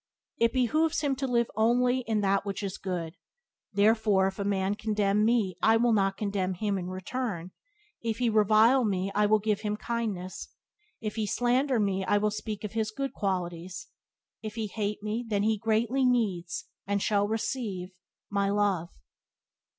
It behoves him to live only in that which is good: therefore if a man condemn me, I will not condemn him in return; if he revile me I will give him kindness; if he slander me I will speak of his good qualities, if he hate me then he greatly needs, and shall receive, my love.